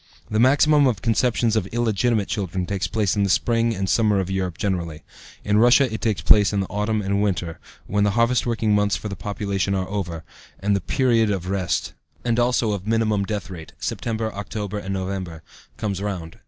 The maximum of conceptions of illegitimate children takes place in the spring and summer of Europe generally; in Russia it takes place in the autumn and winter, when the harvest working months for the population are over, and the period of rest, and also of minimum deathrate (September, October, and November), comes round.